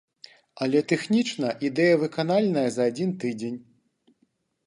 Але тэхнічна ідэя выканальная за адзін тыдзень.